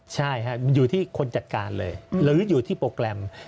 ใช่ครับอยู่ที่คนจัดการเลยหรืออยู่ที่โปรแกรม